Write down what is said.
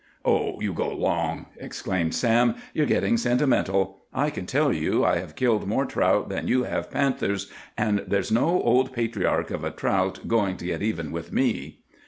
"Oh, you go along!" exclaimed Sam. "You're getting sentimental. I can tell you, I have killed more trout than you have panthers, and there's no old patriarch of a trout going to get even with me!"